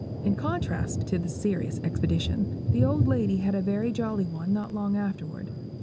In contrast to this serious expedition, the old lady had a very jolly one not long afterward.